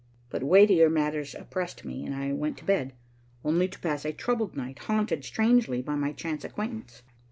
But weightier matters oppressed me, and I went to bed, only to pass a troubled night, haunted strangely by my chance acquaintance.